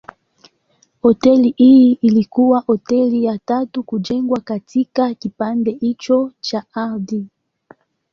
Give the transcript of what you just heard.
Hoteli hii ilikuwa hoteli ya tatu kujengwa katika kipande hicho cha ardhi.